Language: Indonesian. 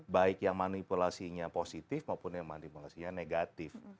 baik yang manipulasi positif maupun yang manipulasi negatif